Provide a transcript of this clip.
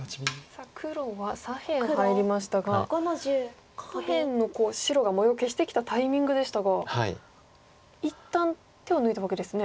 さあ黒は左辺入りましたが下辺の白が模様消してきたタイミングでしたが一旦手を抜いたわけですね。